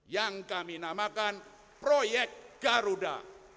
yang kami namakan proyek garuda